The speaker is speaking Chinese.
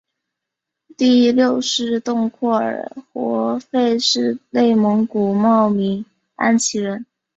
第六世洞阔尔活佛是内蒙古茂明安旗人。